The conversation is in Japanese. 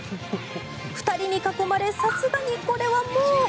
２人に囲まれさすがにこれはもう。